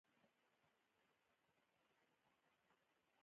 نن یې د ورور په جنازه کې و.